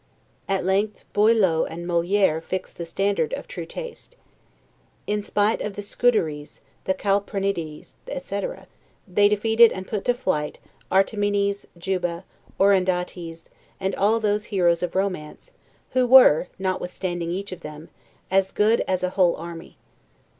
At length, Boileau and Moliere fixed the standard of true taste. In spite of the Scuderys, the Calprenedes, etc., they defeated and put to flight ARTAMENES, JUBA, OROONDATES, and all those heroes of romance, who were, notwithstanding (each of them), as good as a whole Army.